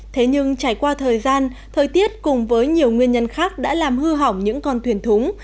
thế nhưng trải qua thời gian thời tiết cùng với nhiều nguyên nhân khác đã làm hư hỏng những con thuyền thúng